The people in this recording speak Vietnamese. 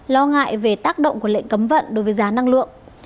lo ngại về tác động của lệnh cấm vận đối với giá năng lượng